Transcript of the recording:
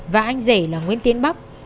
và anh rể là nguyễn tiến bóc